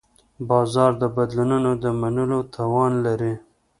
بازار د بدلونونو د منلو توان لري.